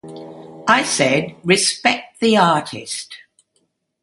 I said 'Respect the artist.